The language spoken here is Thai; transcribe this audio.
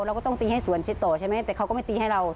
เราก็ต้องตีให้สวนชิดต่อใช่ไหมแต่เขาก็ไม่ตีให้เรา